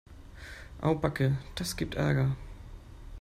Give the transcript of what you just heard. Au backe, das gibt Ärger.